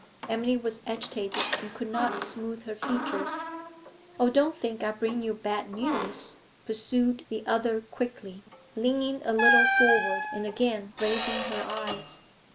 Emily was agitated and could not smooth her features. 'Oh, don't think I bring you bad news!' pursued the other quickly, leaning a little forward and again raising her eyes.